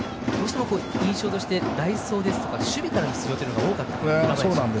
印象として代走ですとか守備での出場が多かったですよね。